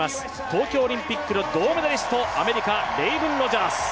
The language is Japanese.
東京オリンピックの銅メダリスト、アメリカのレイブン・ロジャース。